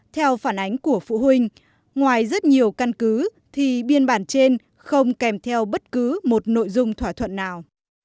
theo phản ánh của phụ huynh ngoài rất nhiều căn cứ thì biên bản trên không kèm theo bất cứ một nội dung thỏa thuận nào